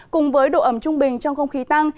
cùng với độ ẩm trung bình trong không khí tăng